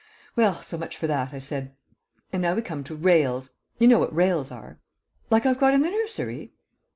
"Well, so much for that," I said. "And now we come to 'rails.' You know what rails are?" "Like I've got in the nursery?"